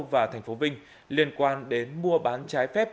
và thành phố vinh liên quan đến mua bán trái phép